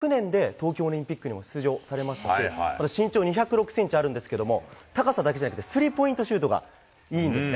競技歴わずか６年で東京オリンピックにも出場されましたし身長２０６ｃｍあるんですが高さだけじゃなくてスリーポイントシュートがいいんですね。